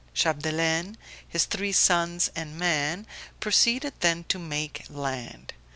Chapdelaine, his three sons and man, proceeded then to "make land."